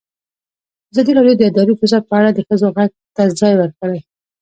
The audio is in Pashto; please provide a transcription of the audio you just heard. ازادي راډیو د اداري فساد په اړه د ښځو غږ ته ځای ورکړی.